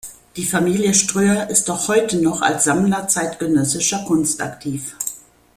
Die Familie Ströher ist auch heute noch als Sammler zeitgenössischer Kunst aktiv.